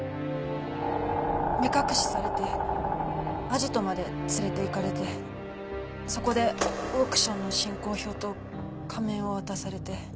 目隠しされてアジトまで連れていかれてそこでオークションの進行表と仮面を渡されて。